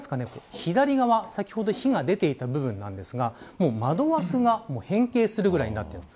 左側、先ほど火が出ていた部分なんですが窓枠が変形するぐらいになっています。